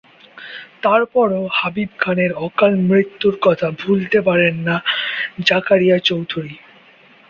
তারপরও হাবিব খানের অকাল মৃত্যুর কথা ভুলতে পারেনা জাকারিয়া চৌধুরী।